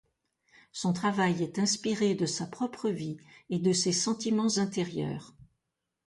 Son travail est inspiré de sa propre vie et de ses sentiments intérieurs.